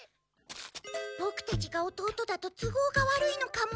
ボクたちが弟だと都合が悪いのかも。